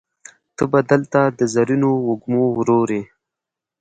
ته به دلته د زرینو وږمو ورور یې